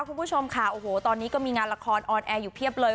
คุณผู้ชมค่ะโอ้โหตอนนี้ก็มีงานละครออนแอร์อยู่เพียบเลย